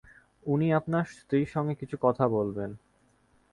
উনি আপনার স্ত্রীর সঙ্গে কিছু কথা বলবেন।